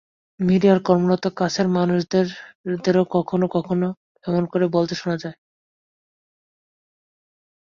মিডিয়ায় কর্মরত কাছের মানুষদেরও কখনো কখনো এমন করে বলতে শোনা যায়।